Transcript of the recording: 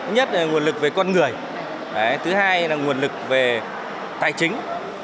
nhất là nguồn lực về con người thứ hai là nguồn lực về tài chính